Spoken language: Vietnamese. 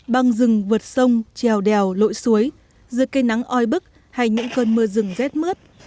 băng rừng vượt sông trèo đèo lội suối giữa cây nắng oi bức hay những cơn mưa rừng rét mướt